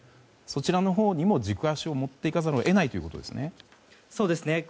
そちらのほうにも軸足を持っていかざるを得ないということですね。